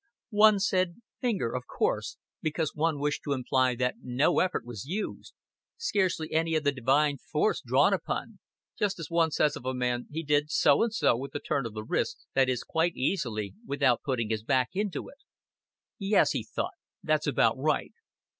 One said finger, of course, because one wished to imply that no effort was used, scarcely any of the divine force drawn upon just as one says of a man, he did so and so with a turn of the wrist, that is, quite easily, without putting his back into it. Yes, he thought, that's about right.